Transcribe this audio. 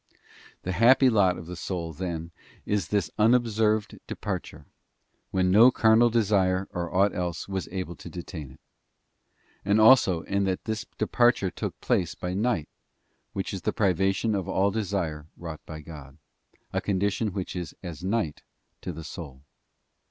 The happy lot of the soul, then, is this unobserved de parture, when no carnal desire or aught else was able to detain it. And also in that this departure took place by night, which is the privation of all desire wrought by God, as a condition which is as night to the soul.